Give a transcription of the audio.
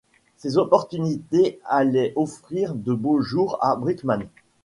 Ses opportunités allaient offrir de beaux jours à Brinkman.